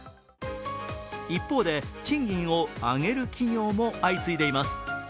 一方で、賃金を上げる企業も相次いでいます。